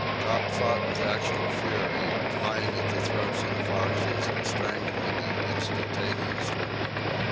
Top fought with actual fury, flying at the throats of the foxes and strangling them instantaneously.